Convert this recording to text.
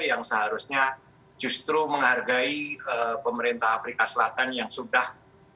yang seharusnya justru menghargai pemerintah afrika selatan yang sudah